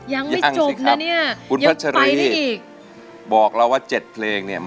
ยังยังไม่จบนะเนี่ย